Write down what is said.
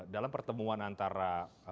dalam pertemuan antara